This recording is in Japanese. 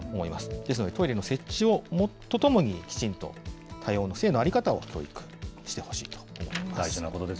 ですので、トイレの設置とともに、きちんと多様な性の在り方を教育してほしいと思います。